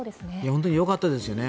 本当によかったですよね。